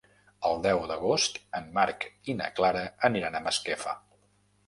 El deu d'agost en Marc i na Clara aniran a Masquefa.